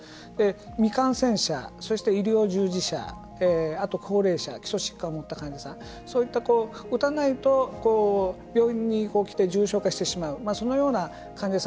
未感染者そして医療従事者あと高齢者基礎疾患を持った患者さんそういった打たないと病院に来て重症化してしまうそのような患者さん